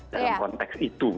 dalam konteks itu